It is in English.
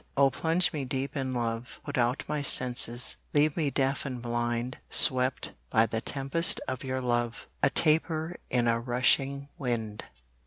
Oh plunge me deep in love put out My senses, leave me deaf and blind, Swept by the tempest of your love, A taper in a rushing wind.